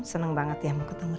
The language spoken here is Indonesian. seneng banget ya